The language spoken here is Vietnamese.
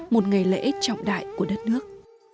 một ngày lễ trọng đại của đất nước